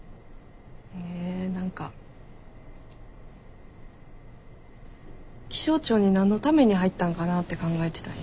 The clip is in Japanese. え何か気象庁に何のために入ったんかなって考えてたんよ。